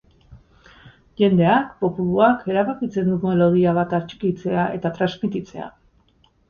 Jendeak, populuak, erabakitzen du melodia bat atxikitzea eta transmititzea.